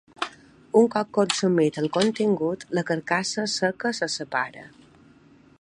Un cop consumit el contingut, la carcassa seca se separa.